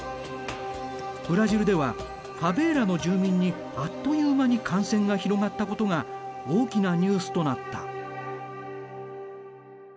ブラジルではファベーラの住民にあっという間に感染が広がったことが大きなニュースとなった。